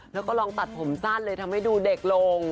แล้วก็ลองตัดผมสั้นเลยทำให้ดูเด็กลง